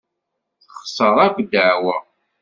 Texṣer akk ddeɛwa.